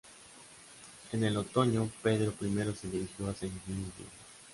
En el otoño, Pedro I se dirigió hacia Ingria.